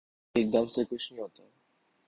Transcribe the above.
ایک دم سے کچھ نہیں ہوتا